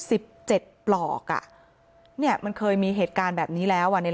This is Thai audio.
สิบเจ็ดปลอกอ่ะเนี่ยมันเคยมีเหตุการณ์แบบนี้แล้วอ่ะใน